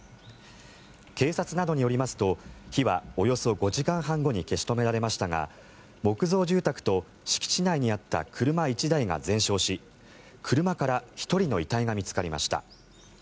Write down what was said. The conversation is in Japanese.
警察などによりますと火はおよそ５時間半後に消し止められましたが木造住宅と敷地内にあった車１台が全焼し車から１人の遺体が見つかりました。